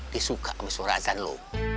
disuka sama suara ajan lo